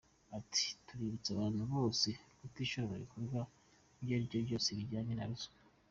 Ati” Tuributsa abantu bose kutishora mu bikorwa ibyo aribyo byose bijyanye na ruswa.